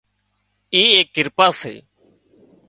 اي ايڪ ڪرپا سي